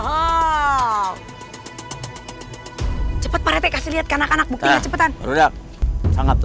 hai cepet pak rete kasih lihat kanak kanak bukti cepetan udah sangat